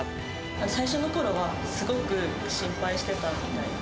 最初のころはすごく心配してたみたいで。